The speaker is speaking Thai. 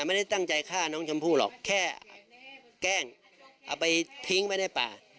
ไม่ได้ตั้งใจฆ่าน้องชมพู่หรอกแค่แกล้งเอาไปทิ้งไว้ในป่า